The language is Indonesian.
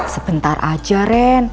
sebentar aja ren